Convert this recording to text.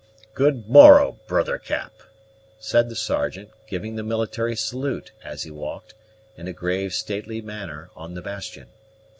"Good morrow, brother Cap," said the Sergeant giving the military salute, as he walked, in a grave, stately manner, on the bastion.